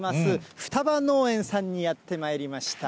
双葉農園さんにやってまいりました。